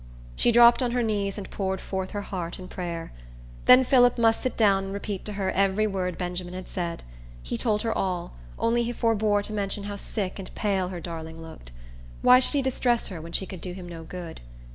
She dropped on her knees, and poured forth her heart in prayer. Then Phillip must sit down and repeat to her every word Benjamin had said. He told her all; only he forbore to mention how sick and pale her darling looked. Why should he distress her when she could do him no good?